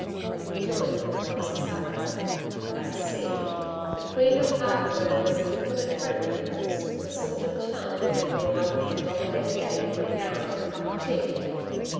He rejoined with clumsy sarcasm. 'I see. The Queen of Hartenburg was an intimate friend of yours the sort of chum who'd have been likely to drop in any day for a yarn and a cup of tea!'